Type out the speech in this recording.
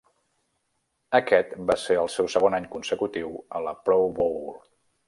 Aquest va ser el seu segon any consecutiu a la Pro Bowl.